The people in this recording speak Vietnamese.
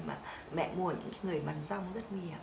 mẹ mua những người bán rong rất nguy hiểm